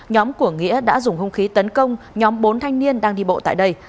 nhóm của nghĩa đã dùng hung khí tấn công nhóm bốn thanh niên đang đi bộ tại đây